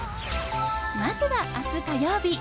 まずは明日、火曜日。